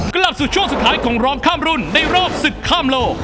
กลับสู่ช่วงสุดท้ายของร้องข้ามรุ่นในรอบศึกข้ามโลก